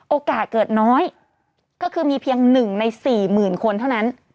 โอกาสเกิดน้อยก็คือมีเพียง๑ใน๔๐๐๐คนเท่านั้น